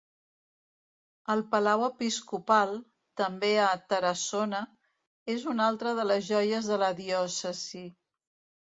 El Palau episcopal, també a Tarassona, és una altra de les joies de la diòcesi.